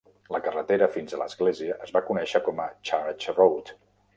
La carretera fins a l'església es va conèixer com a Church Road.